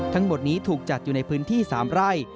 ทั้งหมดนี้ถูกจัดอยู่ในพื้นที่๓ไร่